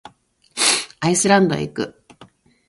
アイスランドへ行く。